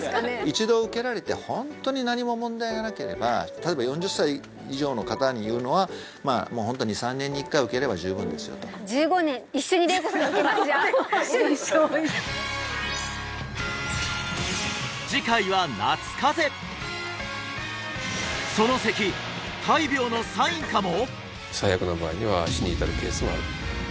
一度受けられてホントに何も問題がなければ例えば４０歳以上の方に言うのはまあもうホント２３年に１回受ければ十分ですよと１５年一緒に礼子さんと受けますじゃあ次回はそのせき大病のサインかも！？